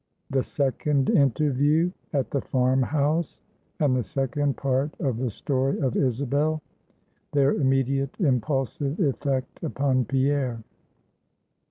THE SECOND INTERVIEW AT THE FARM HOUSE, AND THE SECOND PART OF THE STORY OF ISABEL. THEIR IMMEDIATE IMPULSIVE EFFECT UPON PIERRE.